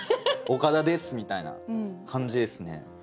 「岡田です」みたいな感じですね。